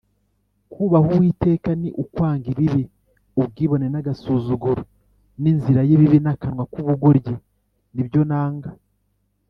“kubaha uwiteka ni ukwanga ibibi; ubwibone n’agasuzuguro n’inzira y’ibibi n’akanwa k’ubugoryi ni byo nanga